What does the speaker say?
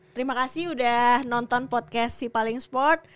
terima kasih udah nonton podcast sipalingsport